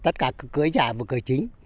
tất cả cửa giả và cửa chính